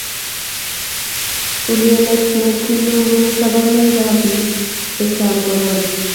uliet ne kilugui sobonwekab biik che chang' corona